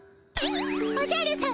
「おじゃるさま